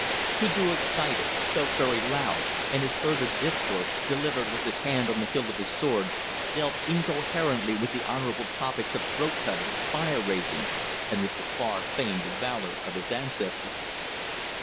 ... He grew excited, spoke very loud, and his further discourse, delivered with his hand on the hilt of his sword, dealt incoherently with the honourable topics of throat cutting, fire raising, and with the far famed valour of his ancestors.